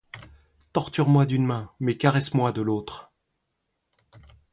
Torture-moi d'une main, mais caresse-moi de l'autre!